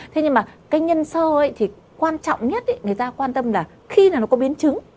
thế nhưng mà cái nhân sơ thì quan trọng nhất người ta quan tâm là khi nó có biến chứng